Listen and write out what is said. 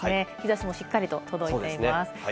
日差しもしっかり届いています。